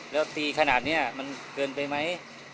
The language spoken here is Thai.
แล้วตีขนาดนี้มันเกินไปไหม